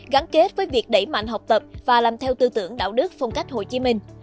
gắn kết với việc đẩy mạnh học tập và làm theo tư tưởng đạo đức phong cách hồ chí minh